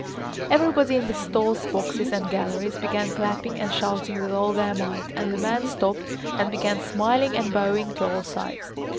Everybody in the stalls, boxes, and galleries began clapping and shouting with all their might, and the man stopped and began smiling and bowing to all sides.